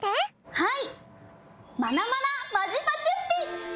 はい！